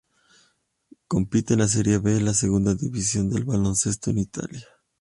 Compite en la Serie B, la segunda división del baloncesto en Italia.